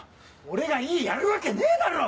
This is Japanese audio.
俺が井伊やるわけねえだろ！